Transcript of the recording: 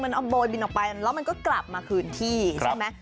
มันเอาโบยบินออกไปแล้วมันก็กลับมาคืนที่ใช่ไหม